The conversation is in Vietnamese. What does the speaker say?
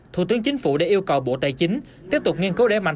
thủ tướng chính phủ đã yêu cầu bộ tài chính tiếp tục nghiên cứu đẩy mạnh